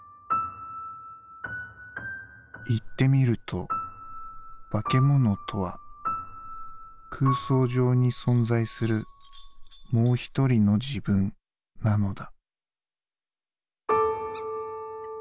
「言ってみると化け物とは空想上に存在する『もう一人の自分』なのだ」。